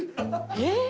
えっ！